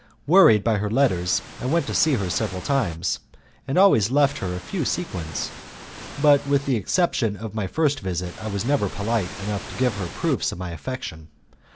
Worried by her letters I went to see her several times, and always left her a few sequins, but with the exception of my first visit I was never polite enough to give her any proofs of my affection.